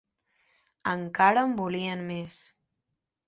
Encara en volien més.